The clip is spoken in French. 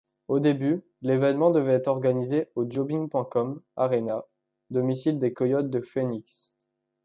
Au début, l'événement devait être organisé au Jobing.com Arena, domicile des Coyotes de Phoenix.